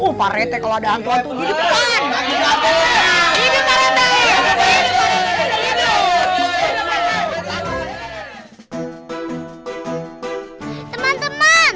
oh pak r t kalo ada hantu hantu jadi panjik ya pak